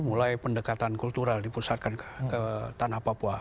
mulai pendekatan kultural dipusatkan ke tanah papua